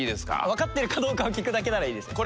わかってるかどうかを聞くだけならいいですよ。